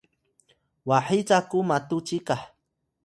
wahiy caku matu cikah